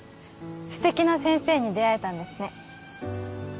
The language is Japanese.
素敵な先生に出会えたんですね